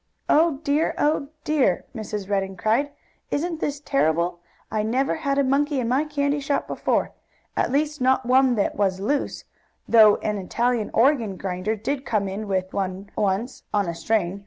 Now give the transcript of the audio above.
"Oh dear! oh dear!" Mrs. Redden cried. "Isn't this terrible? I never had a monkey in my candy shop before. At least not one that was loose, though an Italian organ grinder did come in with one once, on a string.